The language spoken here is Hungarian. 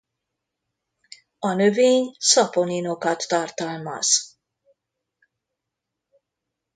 A növény szaponinokat tartalmaz.